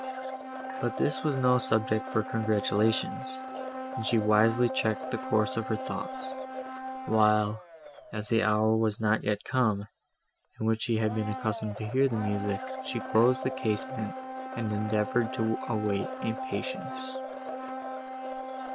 But this was no subject for congratulations, and she wisely checked the course of her thoughts, while, as the hour was not yet come, in which she had been accustomed to hear the music, she closed the casement, and endeavoured to await it in patience.